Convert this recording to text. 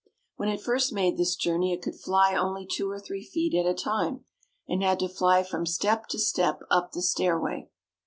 When it first made this journey it could fly only two or three feet at a time and had to fly from step to step up the stairway.